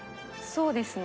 そうですね。